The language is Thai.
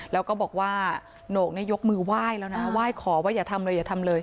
แล้วก็บอกว่าโหนกเนี่ยยกมือไหว้แล้วนะไหว้ขอว่าอย่าทำเลยอย่าทำเลย